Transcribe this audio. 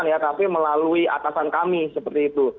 ya tapi melalui atasan kami seperti itu